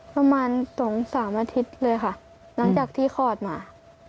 ประมาณสองสามอาทิตย์เลยค่ะหลังจากที่คลอดมา